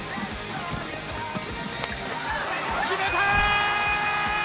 決めた！